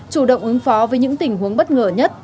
chủ động ứng phó với những tình huống bất ngờ nhất